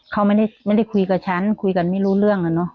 เขาไม่ได้คุยกับฉันคุยกันไม่รู้เรื่องอะเนาะ